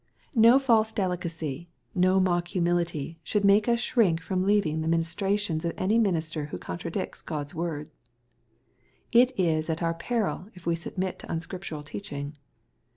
No false delicacy, no mock humility should make us shrink from leaving the ministrations of any minister who contradicts God's word. It is at our peril if we submit to imscriptural teaching.